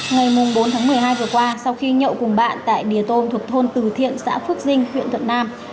ngày bốn tháng một mươi hai vừa qua sau khi nhậu cùng bạn tại địa tô thuộc thôn từ thiện xã phước dinh huyện thuận nam